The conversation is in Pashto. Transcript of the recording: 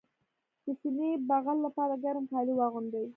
د سینه بغل لپاره ګرم کالي واغوندئ